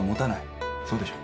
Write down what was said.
そうでしょう？